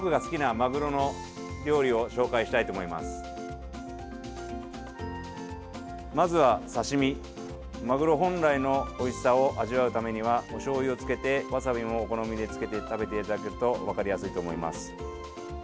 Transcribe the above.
マグロ本来のおいしさを味わうためにはおしょうゆをつけてわさびもお好みでつけて食べていただけると分かりやすいと思います。